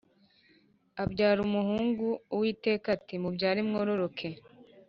Abyara umuhungu uwiteka ati “mubyare mwororoke”